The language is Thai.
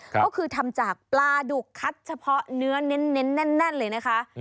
ก็คือทำจากปลาดุกคัดเฉพาะเนื้อเน้นแน่นเลยนะคะ